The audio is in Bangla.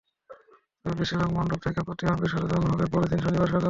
তবে বেশির ভাগ মণ্ডপ থেকে প্রতিমা বিসর্জন হবে পরদিন শনিবার সকালে।